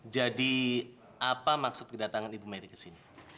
jadi apa maksud kedatangan ibu merry ke sini